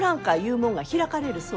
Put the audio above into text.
もんが開かれるそうじゃ。